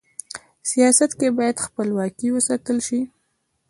سیاست کي بايد خپلواکي و ساتل سي.